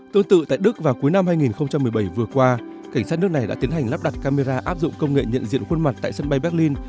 tương tự tại đức vào cuối năm hai nghìn một mươi bảy vừa qua cảnh sát nước này đã tiến hành lắp đặt camera áp dụng công nghệ nhận diện khuôn mặt tại sân bay berlin